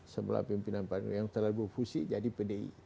sebelah pimpinan yang terlalu fusi jadi pdi